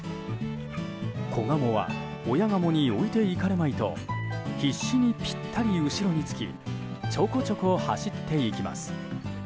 子ガモは親ガモに置いていかれまいと必死にぴったり後ろにつきちょこちょこ走っていきます。